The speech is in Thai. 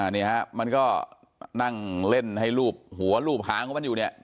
นี่ฮะมันก็นั่งเล่นให้รูปหัวรูปหางของมันอยู่เนี่ย